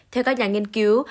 theo các nhà nghiên cứu